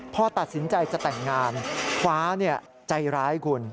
พอตัดสินใจจะแต่งงานฟ้าใจร้ายคุณ